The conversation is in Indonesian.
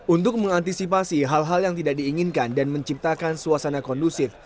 untuk mengantisipasi hal hal yang tidak diinginkan dan menciptakan suasana kondusif